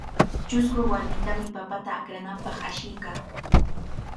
Chusku warmitami papata akrananpaq ashiykaa.